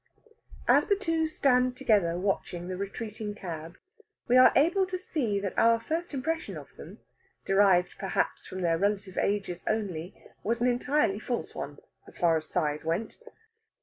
As the two stand together watching the retreating cab we are able to see that our first impression of them, derived perhaps from their relative ages only, was an entirely false one as far as size went.